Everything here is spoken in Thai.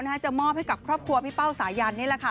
จะมอบให้กับครอบครัวพี่เป้าสายันนี่แหละค่ะ